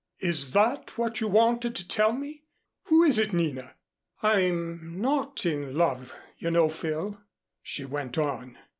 Is that what you wanted to tell me? Who is it, Nina?" "I'm not in love, you know, Phil," she went on.